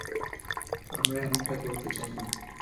আমরা এমনটা করতে চাইনি।